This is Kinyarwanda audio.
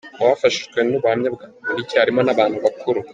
Mu bafashijwe n’ubuhamya bwa Bamporiki harimo n’abantu bakuru.